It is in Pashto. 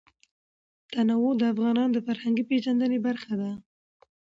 تنوع د افغانانو د فرهنګي پیژندنې برخه ده.